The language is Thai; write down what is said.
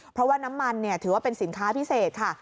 เพราะว่าน้ำมันถือว่าเป็นสินค้าพิเศษค่ะ